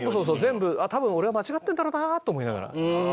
全部多分俺が間違ってるんだろうなと思いながら。